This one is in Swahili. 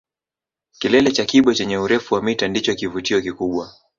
Kilele cha Kibo chenye urefu wa mita ndicho kivutio kikubwa